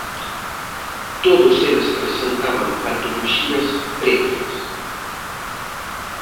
Todos eles presentaban patoloxías previas.